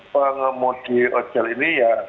pengemudi hotel ini ya